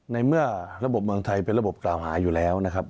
ในเมื่อระบบเมืองไทยเป็นระบบกล่าวหาอยู่แล้วนะครับ